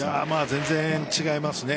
全然違いますね。